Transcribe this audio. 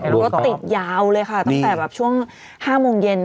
รถติดยาวเลยค่ะตั้งแต่แบบช่วง๕โมงเย็น